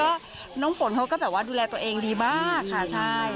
ก็น้องฝนเขาก็แบบว่าดูแลตัวเองดีมากค่ะใช่